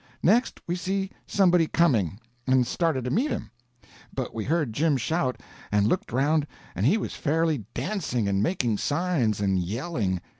Next, we see somebody coming, and started to meet him; but we heard Jim shout, and looked around and he was fairly dancing, and making signs, and yelling.